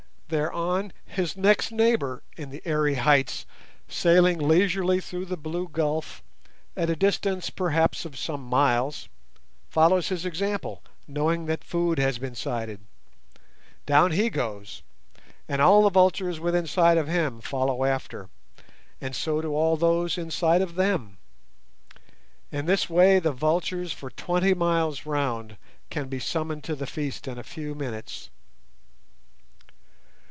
Thereon his next neighbour in the airy heights sailing leisurely through the blue gulf, at a distance perhaps of some miles, follows his example, knowing that food has been sighted. Down he goes, and all the vultures within sight of him follow after, and so do all those in sight of them. In this way the vultures for twenty miles round can be summoned to the feast in a few minutes.